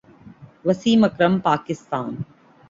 Wasim Akram Pakistan